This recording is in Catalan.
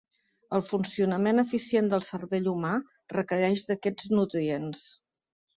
El funcionament eficient del cervell humà requereix d'aquests nutrients.